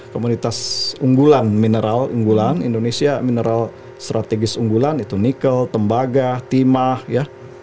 komoditas unggulan mineral unggulan indonesia mineral strategis unggulan itu nikel tembaga timah ya